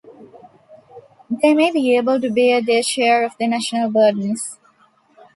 They may be able to bear their share of the national burdens.